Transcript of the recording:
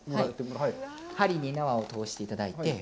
針に縄を通していただいて。